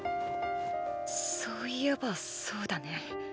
そういえばそうだね。